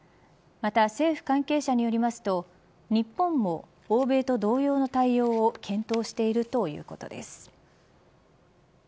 また、政府関係者によりますと日本も欧米と同様の対応を検討しているということです。